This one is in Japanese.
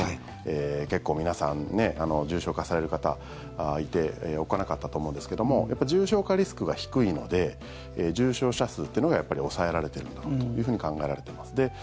結構、皆さん重症化される方いておっかなかったと思うんですが重症化リスクが低いので重症者数というのが抑えられているんだというふうに考えられています。